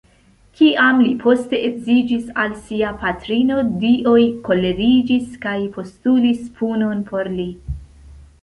Kiam li poste edziĝis al sia patrino, dioj koleriĝis kaj postulis punon por li.